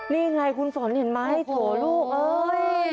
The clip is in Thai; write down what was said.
นี่ไงคุณฝนเห็นไหมโถลูกเอ้ย